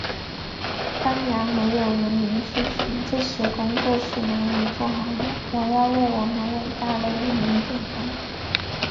当然，没有人民支持，这些工作是难以做好的，我要为我们伟大的人民点赞。